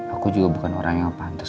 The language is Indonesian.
aku juga bukan orang yang pantas